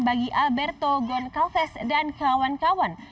bagi alberto goncalves dan kawan kawan